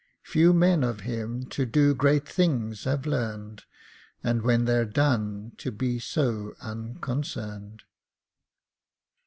Few men of him to do great things have learned, And when they're done to be so unconcerned.